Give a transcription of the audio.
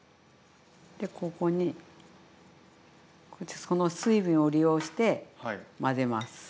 でここにこうやってその水分を利用して混ぜます。